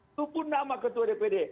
itu pun nama ketua dpd